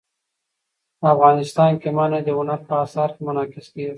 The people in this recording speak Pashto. افغانستان کې منی د هنر په اثار کې منعکس کېږي.